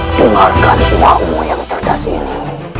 dengarkan uangmu yang terdesak ini